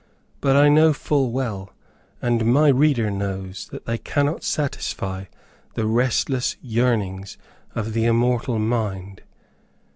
But I know full well, and my reader knows that they cannot satisfy the restless yearnings of the immortal mind.